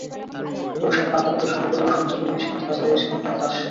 বৈশাখে পান্তা ভাতের সঙ্গে পরিবেশনের জন্য ইলিশ কিনতে বাজারে এসে অনেকে হতাশ।